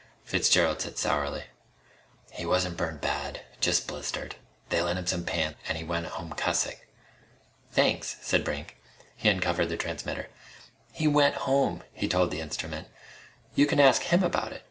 Fitzgerald said sourly: "He wasn't burned bad. Just blistered. They lent him some pants and he went home cussing." "Thanks," said Brink. He uncovered the transmitter. "He went home," he told the instrument. "You can ask him about it.